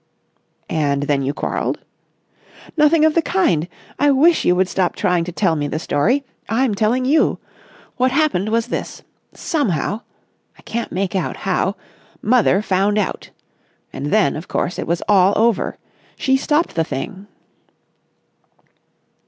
"And then you quarrelled?" "Nothing of the kind. I wish you would stop trying to tell me the story. I'm telling you. What happened was this: somehow—I can't make out how—mother found out. And then, of course, it was all over. She stopped the thing."